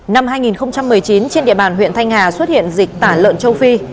năm hai nghìn một mươi chín trên địa bàn huyện thanh hà xuất hiện dịch tả lợn châu phi